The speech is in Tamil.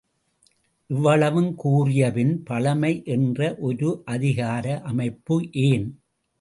இவ்வளவும் கூறியபின் பழைமை என்று ஒரு அதிகார அமைப்பு ஏன்?